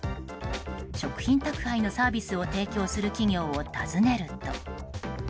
食品宅配のサービスを提供する企業を訪ねると。